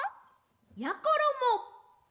やころも！